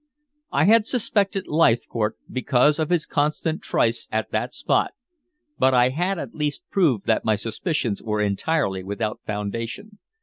I had suspected Leithcourt because of his constant trysts at that spot, but I had at least proved that my suspicions were entirely without foundation.